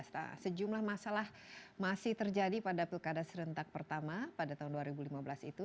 nah sejumlah masalah masih terjadi pada pilkada serentak pertama pada tahun dua ribu lima belas itu